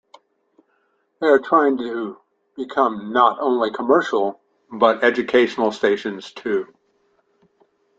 They are trying to become not only commercial but educational stations too.